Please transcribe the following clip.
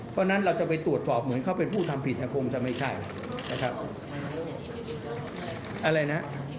เพราะฉะนั้นเราจะไปตรวจสอบเหมือนเขาเป็นผู้ทำผิดเนี่ยคงจะไม่ใช่นะครับอะไรนะ